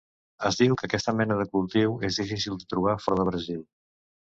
Es diu que aquesta mena de cultiu és difícil de trobar fora de Brasil.